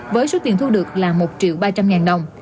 với số tiền thu được là một triệu ba trăm linh ngàn đồng